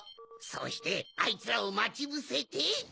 そしてあいつらをまちぶせて。